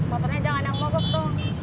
motornya jangan yang mogok tuh